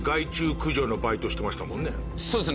そうですね。